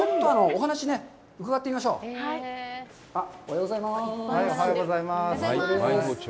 おはようございます。